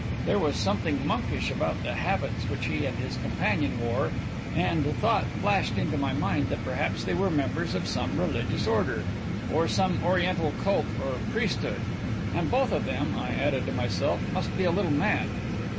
There was something monkish about the habits which he and his companion wore, and the thought flashed into my mind that perhaps they were members of some religious order, or some Oriental cult or priesthood. And both of them, I added to myself, must be a little mad!